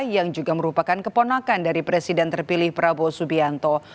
yang juga merupakan keponakan dari presiden terpilih prabowo subianto